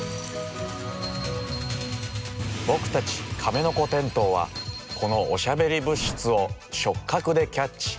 僕たちカメノコテントウはこのおしゃべり物質を触角でキャッチ！